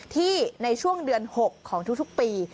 ในช่วงเดือน๖ของทุกปี